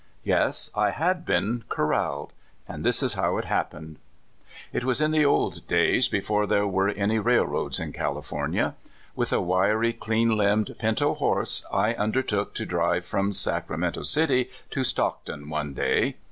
Yes, I had been corraled; and this is how it happened: It was in the old days, before there were any railroads in California. With a wiry, clean limbed pinto horse, I undertook to drive from Sacramento City to Stockton one day.